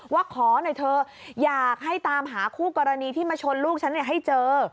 ว่าขอหน่อยเถอะอยากให้ตามหาคู่กรณีที่มาชนลูกฉันให้เจอ